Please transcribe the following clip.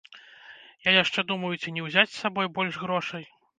Я яшчэ думаю, ці не ўзяць з сабой больш грошай.